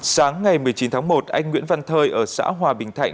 sáng ngày một mươi chín tháng một anh nguyễn văn thơi ở xã hòa bình thạnh